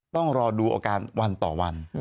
ต้องรอดูอาการวันต่อวัน